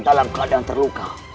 dalam keadaan terluka